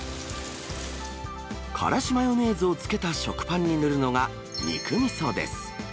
からしマヨネーズをつけた食パンに塗るのが肉みそです。